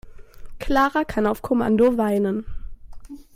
Clara kann auf Kommando weinen.